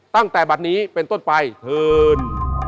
ตั้งแต่บัตรนี้เป็นต้นไปเถิน